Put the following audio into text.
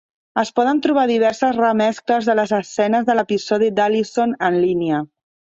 Es poden trobar diverses remescles de les escenes de l'episodi d'Allison en línia.